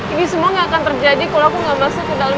ini semua gak akan terjadi kalau aku gak masuk ke dalam